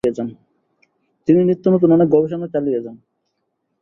তিনি নিত্য নতুন অনেক গবেষণাও চালিয়ে যান।